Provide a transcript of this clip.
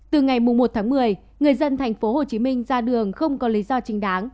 từ ngày một một mươi người dân tp hcm ra đường không có lý do trình đáng